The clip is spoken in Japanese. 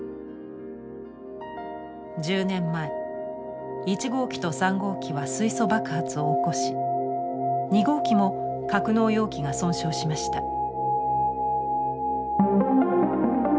１０年前１号機と３号機は水素爆発を起こし２号機も格納容器が損傷しました。